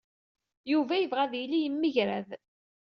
Yuba yebɣa ad yili yemgerrad.